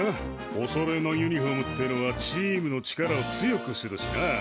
おそろいのユニフォームってのはチームの力を強くするしな。